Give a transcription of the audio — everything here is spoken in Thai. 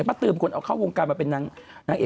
ปะตือเป็นคนออกเข้าโรงการไปเจอนาง